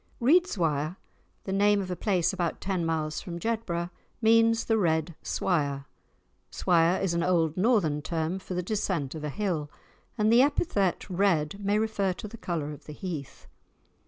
Reidswire, the name of a place about ten miles from Jedburgh, means the Red Swire. Swire is an old northern term for the descent of a hill, and the epithet red may refer to the colour of the heath.